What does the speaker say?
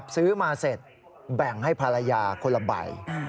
ซื้อมาเสร็จแบ่งให้ภรรยาคนละใบ